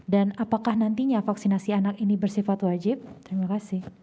dan apakah nantinya vaksinasi anak ini bersifat wajib terima kasih